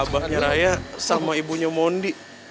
bapaknya raya sama ibunya mondi